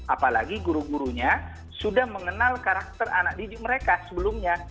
apalagi guru gurunya sudah mengenal karakter anak didik mereka sebelumnya